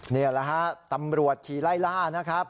นี่แหละฮะตำรวจขี่ไล่ล่านะครับ